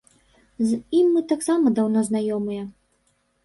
З ім мы таксама даўно знаёмыя.